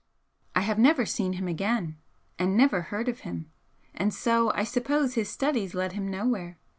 I have never seen him again and never heard of him and so I suppose his studies led him nowhere.